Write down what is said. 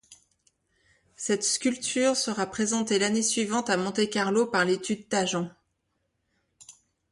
Cette sculpture sera présentée l’année suivante à Monte-Carlo par l’Étude Tajan.